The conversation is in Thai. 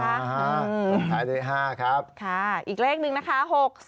อันนี้๕ครับค่ะอีกเลขหนึ่งนะคะ